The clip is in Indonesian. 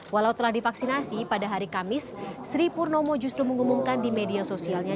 walau telah divaksinasi pada hari kamis sri purnomo justru mengumumkan di media sosialnya